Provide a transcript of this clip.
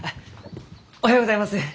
おはようございます。